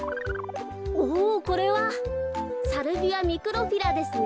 おぉこれはサルビアミクロフィラですね。